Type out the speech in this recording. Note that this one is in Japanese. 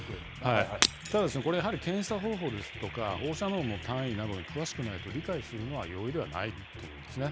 ただですね、これ、やはり検査方法ですとか、放射能の単位などに詳しくないと、理解するのは容易ではないと思うんですね。